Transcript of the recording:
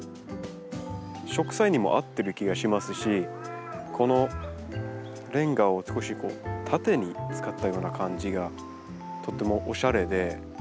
植栽にも合ってる気がしますしこのレンガを少し縦に使ったような感じがとってもおしゃれで。